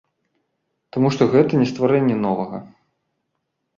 Таму што гэта не стварэнне новага.